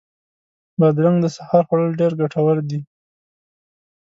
بادرنګ د سهار خوړل ډېر ګټور دي.